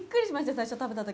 最初に食べた時。